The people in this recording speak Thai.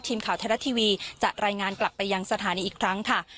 ทีมข่าวไทยรัฐทีวีจะรายงานกลับไปยังสถานีอีกครั้งค่ะ